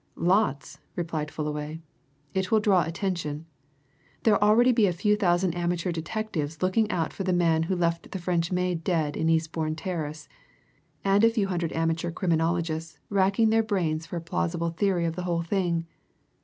"Lots!" replied Fullaway. "It will draw attention. There'll already be a few thousand amateur detectives looking out for the man who left the French maid dead in Eastbourne Terrace, and a few hundred amateur criminologists racking their brains for a plausible theory of the whole thing.